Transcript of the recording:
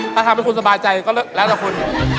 ถ้าทำให้คุณสบายใจก็แล้วแต่คุณ